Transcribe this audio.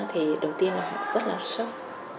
thì đầu tiên là họ rất là sốc